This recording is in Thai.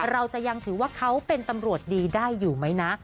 เราจะยังถือว่าเขาเป็นตำรวจดีได้อยู่ไหมนะ